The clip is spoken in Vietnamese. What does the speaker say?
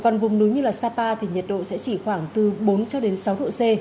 còn vùng núi như sapa thì nhiệt độ sẽ chỉ khoảng bốn sáu độ c